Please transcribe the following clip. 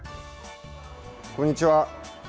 こんにちは。